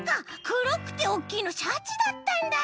くろくておっきいのシャチだったんだ。